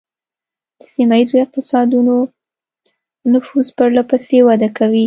د سیمه ایزو اقتصادونو نفوذ پرله پسې وده کوي